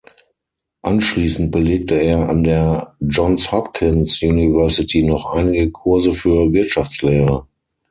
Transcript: Anschließend belegte er an der Johns Hopkins University noch einige Kurse für Wirtschaftslehre.